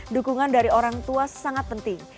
dukungan dari orang tua sangat penting